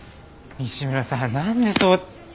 西村さん何でそう。